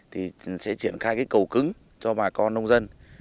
thì sẽ triển khai cái cầu cứng cho bà con nông dân